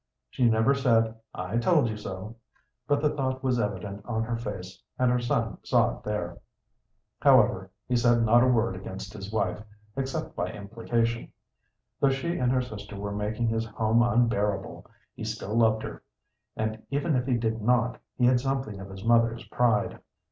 She never said, "I told you so," but the thought was evident on her face, and her son saw it there. However, he said not a word against his wife, except by implication. Though she and her sister were making his home unbearable, he still loved her, and, even if he did not, he had something of his mother's pride.